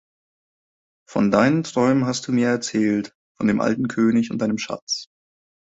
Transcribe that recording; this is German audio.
Von deinen Träumen hast du mir erzählt, von dem alten König und deinem Schatz.